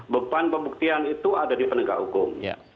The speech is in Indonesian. beban pembuktian itu ada di penegak hukum